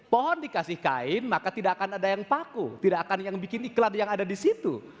pohon dikasih kain maka tidak akan ada yang paku tidak akan yang bikin iklan yang ada di situ